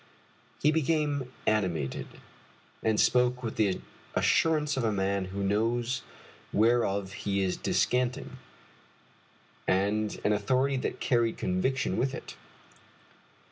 He became animated, and spoke with the assurance of a man who knows whereof he is descanting, and an authority that carried conviction with it.